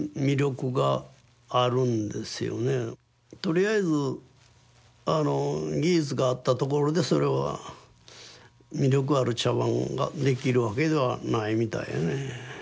とりあえず技術があったところでそれは魅力ある茶碗ができるわけではないみたいやね。